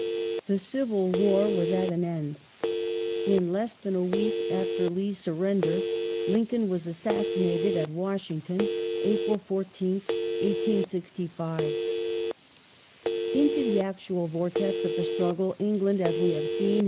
The Civil War was at an end. In less than a week after Lee's surrender, Lincoln was assassinated at Washington (April 14th, 1865). Into the actual vortex of the struggle England, as we have seen.